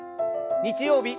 日曜日